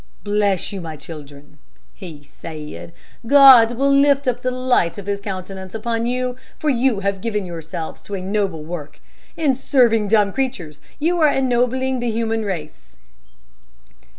"Bless you, my children," he said, "God will lift up the light of his countenance upon you, for you have given yourselves to a noble work. In serving dumb creatures, you are ennobling the human race."